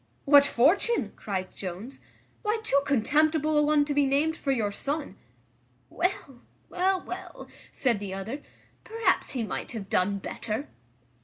"What fortune?" cries Jones, "why, too contemptible a one to be named for your son." "Well, well, well," said the other, "perhaps he might have done better."